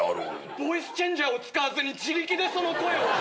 ボイスチェンジャーを使わずに自力でその声を！？